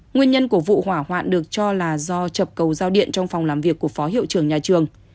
nguyên nhân của vụ hỏa hoạn được cho là do chập cầu giao điện trong phòng làm việc của phó hiệu trưởng nhà trường